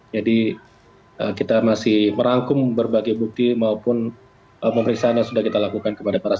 jadi kita masih merangkum berbagai bukti maupun pemeriksaan yang sudah kita lakukan kepada petanjau